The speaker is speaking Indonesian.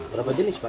berapa jenis pak